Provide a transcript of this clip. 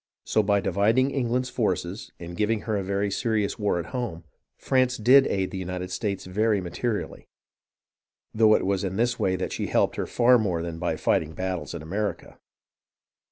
So by dividing England's forces, and giving her a very serious war at home, France did aid the United States very materially, though it was in this way that she helped her far more than by fighting battles in America.